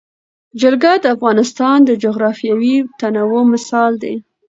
جلګه د افغانستان د جغرافیوي تنوع مثال دی.